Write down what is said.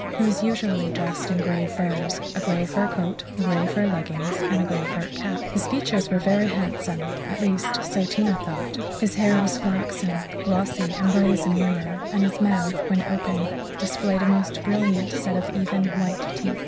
He was usually dressed in grey furs a grey fur coat, grey fur leggings, and a grey fur cap. His features were very handsome at least, so Tina thought his hair was flaxen, glossy, and bright as a mirror; and his mouth, when open, displayed a most brilliant set of even, white teeth.